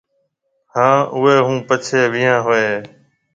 هانَ اُوئي هون پڇيَ ويهان هوئي هيَ۔